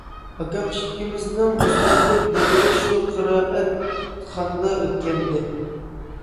ئاكام ئىككىمىزنىڭ ئۆسمۈرلۈك دەۋرى شۇ قىرائەتخانىدا ئۆتكەنىدى.